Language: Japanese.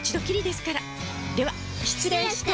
では失礼して。